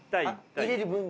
入れる分量？